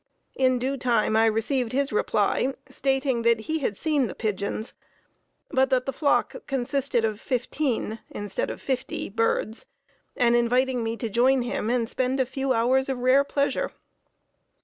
In due time I received his reply, stating that he had seen the pigeons, but that the flock consisted of fifteen instead of fifty birds, and inviting me to join him and spend a few hours of rare pleasure.